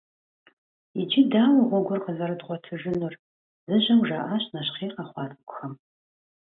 «Иджы дауэ гъуэгур къызэрыдгъуэтыжынур?» - зыжьэу жаӀащ нэщхъей къэхъуа цӀыкӀухэм.